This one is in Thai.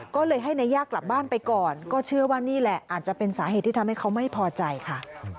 ก็เลยให้นายยากกลับบ้านไปก่อนก็เชื่อว่านี่แหละอาจจะเป็นสาเหตุที่ทำให้เขาไม่พอใจค่ะ